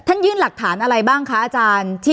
ยื่นหลักฐานอะไรบ้างคะอาจารย์